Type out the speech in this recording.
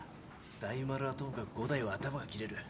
大丸はともかく伍代は頭が切れる。